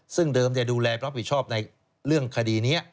ซึ่งเดิมดูแลรับผิดชอบในเรื่องคดีนี้